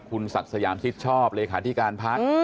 คุณศักดิ์สยามชิดชอบเลขาธิการพัก